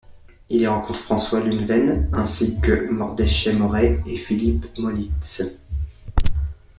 Il y rencontre François Lunven ainsi que Mordechai Moreh et Philippe Mohlitz.